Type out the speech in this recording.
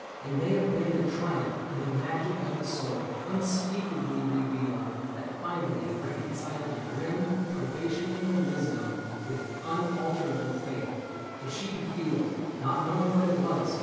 It may have been The triumph and the magic of the soul, Unspeakably revealed, that finally 148 THE BOOK OF ANNANDALE Had reconciled the grim, probationing Of wisdom with unalterable faith. But she could feel — not knowing what it was.